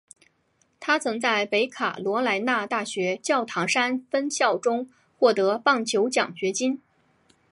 他曾在北卡罗来纳大学教堂山分校中获得棒球奖学金。